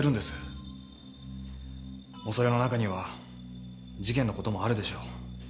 恐れの中には事件の事もあるでしょう。